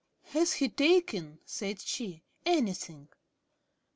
"Has he taken," said she, "anything?"